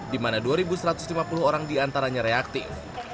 di mana dua satu ratus lima puluh orang diantaranya reaktif